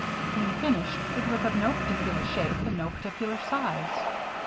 When finished, it was of no particular shape and no particular size.